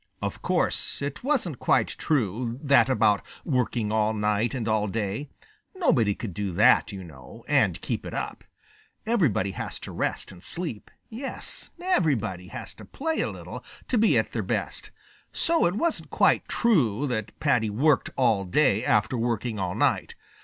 Of course it wasn't quite true, that about working all night and all day. Nobody could do that, you know, and keep it up. Everybody has to rest and sleep. Yes, and everybody has to play a little to be at their best. So it wasn't quite true that Paddy worked all day after working all night.